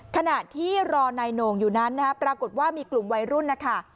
ขณะที่รอนายโหน่งอยู่นั้นนะฮะปรากฏว่ามีกลุ่มวัยรุ่นนะคะ